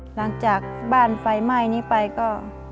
หลังจากบ้านไฟไหม้นี้ไปก็